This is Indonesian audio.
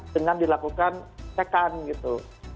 dengan dilakukan tekan gitu